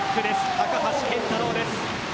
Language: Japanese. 高橋健太郎です。